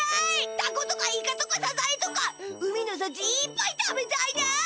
タコとかイカとかサザエとか海のさちいっぱい食べたいだ！